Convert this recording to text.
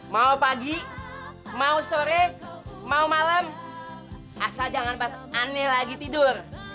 mau pagi mau sore mau malam asal jangan aneh lagi tidur